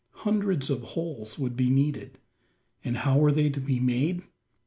Hundreds of holes would be needed; and how were they to be made?